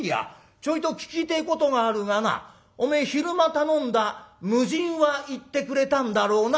ちょいと聞きてえことがあるがなお前昼間頼んだ無尽は行ってくれたんだろうな？」。